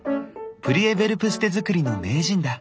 プリエヴェルプステ作りの名人だ。